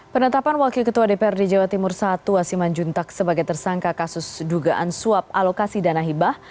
penetapan wakil ketua dprd jawa timur satu asiman juntak sebagai tersangka kasus dugaan suap alokasi dana hibah